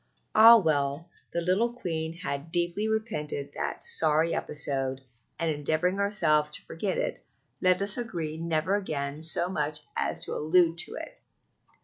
Ah, well! the little Queen had deeply repented that sorry episode; and endeavoring ourselves to forget it, let us agree never again so much as to allude to it.